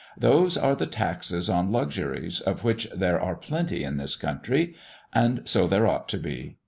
Those are the taxes on luxuries, of which there are plenty in this country; and so there ought to be.